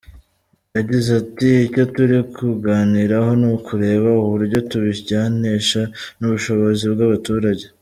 Yagize aati “Icyo turi kuganiraho ni ukureba uburyo tubijyanisha n’ubushobozi bw’abaturage.